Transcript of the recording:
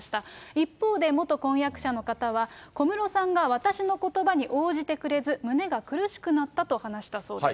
一方で元婚約者の方は、小室さんが私のことばに応じてくれず、胸が苦しくなったと話したそうです。